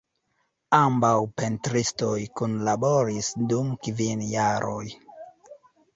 Ambaŭ pentristoj kunlaboris dum kvin jaroj.